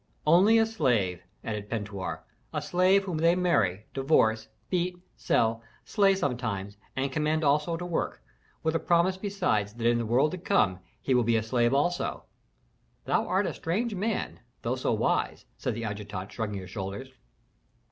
"Only a slave," added Pentuer, "a slave whom they marry, divorce, beat, sell, slay sometimes, and command always to work, with a promise besides that in the world to come he will be a slave also." "Thou art a strange man, though so wise!" said the adjutant, shrugging his shoulders.